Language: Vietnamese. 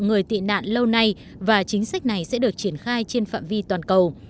người tị nạn lâu nay và chính sách này sẽ được triển khai trên phạm vi toàn cầu